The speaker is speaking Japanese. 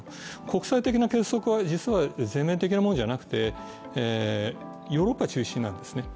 国際的な結束は実は全面的なものじゃなくてヨーロッパ中心なんですね。